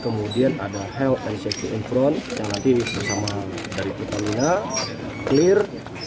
kemudian ada health and safety in front yang lagi bersama dari ketamina clear